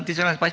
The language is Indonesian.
itu salah sepatu